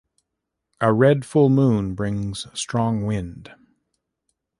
A red full moon brings strong wind.